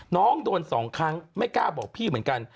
น้องโดน๒ครั้งไม่กล้าบอกพี่เหมือนกัน